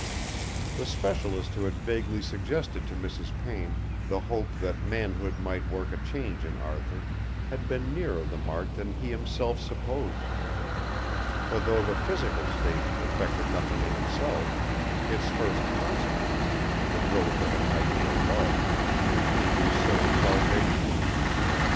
The specialist who had vaguely suggested to Mrs. Payne the hope that manhood might work a change in Arthur had been nearer the mark than he himself supposed, for though the physical state effected nothing in itself, its first consequence, the growth of an ideal love, became his soul's salvation.